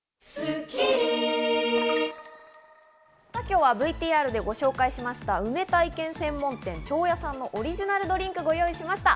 今日はＶＴＲでご紹介しました、梅体験専門店・蝶矢さんのオリジナルドリンクをご用意しました。